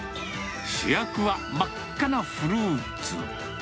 主役は真っ赤なフルーツ。